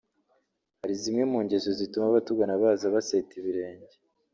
Hari zimwe mu ngeso zituma abatugana baza baseta ibirenge